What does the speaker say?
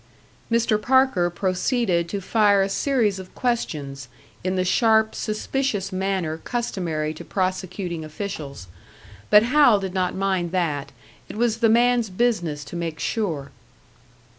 Mr. Parker proceeded to fire a series of questions, in the sharp, suspicious manner customary to prosecuting officials. But Hal did not mind that; it was the man's business to make sure.